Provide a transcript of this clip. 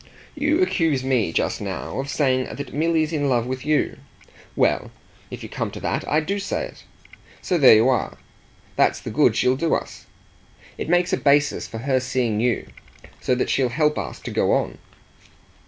"You accused me just now of saying that Milly's in love with you. Well, if you come to that, I do say it. So there you are. That's the good she'll do us. It makes a basis for her seeing you so that she'll help us to go on."